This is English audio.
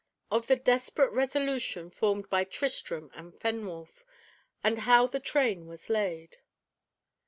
Of the Desperate Resolution formed by Tristram and Fenwolf, and how the Train was laid.